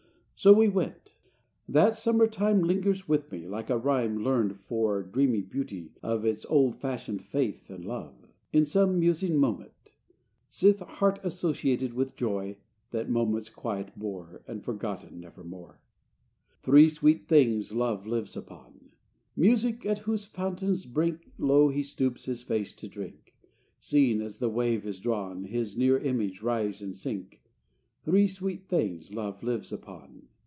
So we went. That summer time Lingers with me like a rhyme Learned for dreamy beauty of Its old fashioned faith and love, In some musing moment; sith Heart associated with Joy that moments quiet bore, And forgotten nevermore. VIII Three sweet things love lives upon: Music, at whose fountain's brink Low he stoops his face to drink; Seeing, as the wave is drawn, His near image rise and sink. Three sweet things love lives upon.